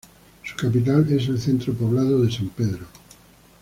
Su capital es el centro poblado de San Pedro.